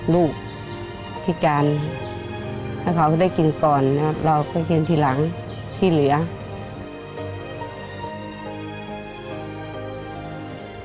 ลูกพี่กานถ้าเค้าก็ได้กินก่อนเราก็กินที่หลังที่เหลือ